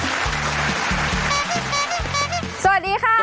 คู่กัดสบัดข่าวเส้าอาทิตย์เส้าอาทิตย์